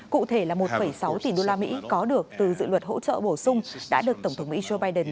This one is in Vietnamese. cụ thể là một sáu tỷ đô la mỹ có được từ dự luật hỗ trợ bổ sung đã được tổng thống mỹ joe biden